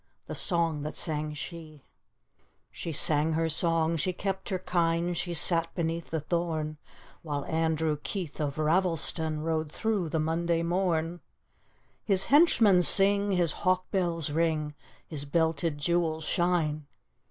The song that sang shel She sang her song, she kept her kine, She sat beneath the tiiom When Andrew Keith of Ravelston Rode throu^ the Monday mom; His henchmen sing, his hawk bells ring, His belted jewels shine!